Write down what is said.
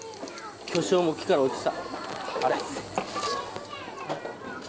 巨匠も木から落ちた。